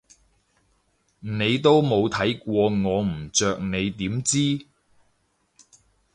你都冇睇過我唔着你點知？